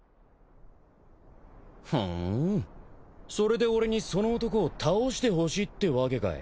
ふんそれで俺にその男を倒してほしいってわけかい。